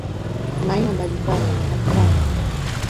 Kuna aina mbalimbali, kwa mfano.